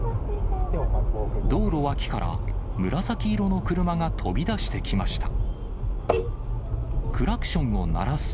道路脇から紫色の車が飛び出してきました。